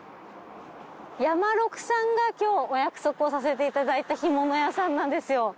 山六さんが今日お約束をさせていただいた干物屋さんなんですよ。